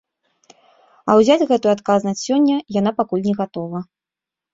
А ўзяць гэтую адказнасць сёння, яна пакуль не гатова.